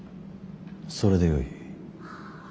それでよい。